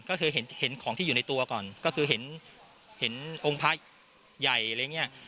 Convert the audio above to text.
ก็คือเห็นของที่อยู่ในตัวก่อนก็คือเห็นองค์พระใหญ่อะไรอย่างเงี้ย